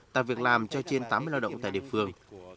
tạo việc làm cho trên tám mươi lao động tại địa phương